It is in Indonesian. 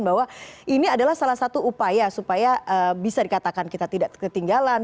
bahwa ini adalah salah satu upaya supaya bisa dikatakan kita tidak ketinggalan